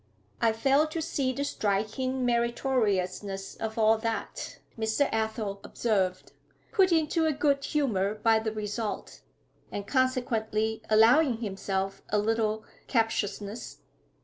'I fail to see the striking meritoriousness of all that,' Mr. Athel observed, put into a good humour by the result, and consequently allowing himself a little captiousness.